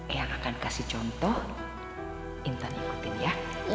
eyang akan kasih contoh intan ikutin ya